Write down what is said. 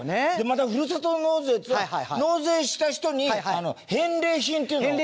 またふるさと納税っていうのは納税した人に返礼品っていうのを。